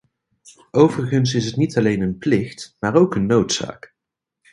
Overigens is het niet alleen een plicht, maar ook een noodzaak.